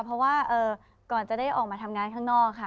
เพราะว่าก่อนจะได้ออกมาทำงานข้างนอกค่ะ